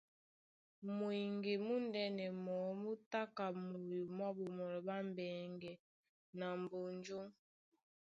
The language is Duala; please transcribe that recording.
Mweŋge múndɛ̄nɛ mɔɔ́ mú tá ka moyo mwá Ɓomɔnɔ ɓá Mbɛŋgɛ na Mbonjó.